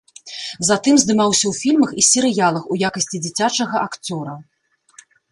Затым здымаўся ў фільмах і серыялах, у якасці дзіцячага акцёра.